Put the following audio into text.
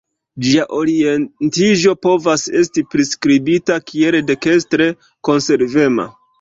Ĝia orientiĝo povas esti priskribita kiel dekstre konservema.